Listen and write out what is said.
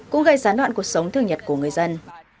cũng gây gián đoạn cuộc sống thường nhật của người dân